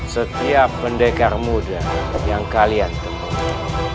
setiap pendekar muda yang kalian temukan